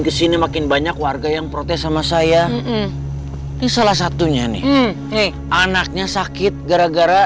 kesini makin banyak warga yang protes sama saya salah satunya nih anaknya sakit gara gara